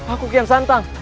aku kian santang